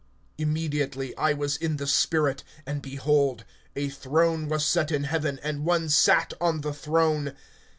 (2)Immediately I was in the Spirit; and, behold, a throne was set in heaven, and one sat on the throne.